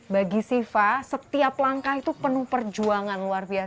bagi siva setiap langkah itu penuh perjuangan luar biasa